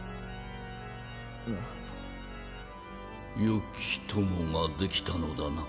よき友ができたのだな。